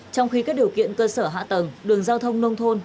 trong khi các điều kiện cơ sở hạ tầng đường giao thông nông thôn